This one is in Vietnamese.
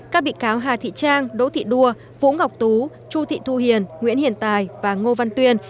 các bị cáo hà thị trang đỗ thị đua vũ ngọc tú chu thị thu hiền nguyễn hiền tài và ngô văn tuyên